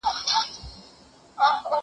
يوه ورځ كندو ته تلمه بېخبره